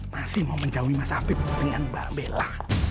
masih mau menjauhi mas habib dengan mbak bella